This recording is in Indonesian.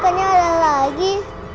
kok bonekanya ada lagi